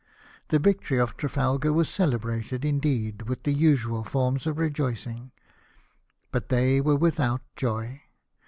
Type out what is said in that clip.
The victory of Trafalgar was celebrated, indeed, with the usual forms of rejoicing, but they were without joy.